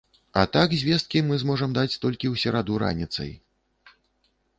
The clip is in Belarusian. А так звесткі мы зможам даць толькі ў сераду раніцай.